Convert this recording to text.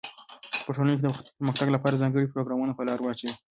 په ټولنه کي د پرمختګ لپاره ځانګړي پروګرامونه په لاره واچوی.